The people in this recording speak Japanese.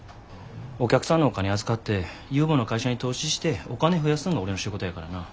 お客さんのお金預かって有望な会社に投資してお金増やすんが俺の仕事やからな。